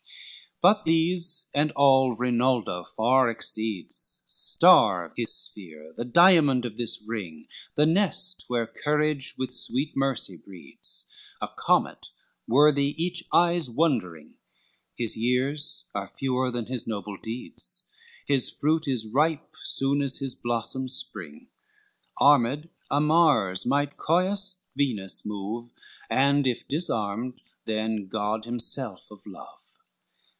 LVIII But these and all, Rinaldo far exceeds, Star of his sphere, the diamond of this ring, The nest where courage with sweet mercy breeds: A comet worthy each eye's wondering, His years are fewer than his noble deeds, His fruit is ripe soon as his blossoms spring, Armed, a Mars, might coyest Venus move, And if disarmed, then God himself of Love.